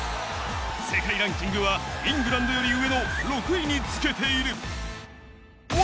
世界ランキングはイングランドより上の６位につけている。